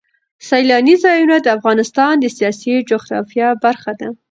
سیلانی ځایونه د افغانستان د سیاسي جغرافیه برخه ده.